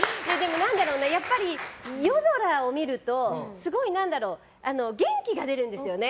やっぱり、夜空を見るとすごい元気が出るんですよね。